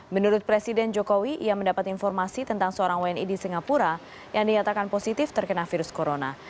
menurut presiden jokowi ia mendapat informasi tentang seorang wni di singapura yang dinyatakan positif terkena virus corona